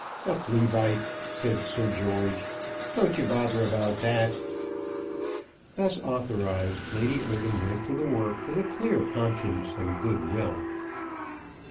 "A flea bite," said Sir George. "Don't you bother about that." Thus authorised, Lady Eardham went to the work with a clear conscience and a good will.